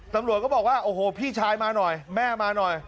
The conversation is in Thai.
ตำรวจก็บอกว่าโอ้โหพี่ชายมาหน่อยแม่มาหน่อย